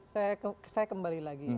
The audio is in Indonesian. saya kembali lagi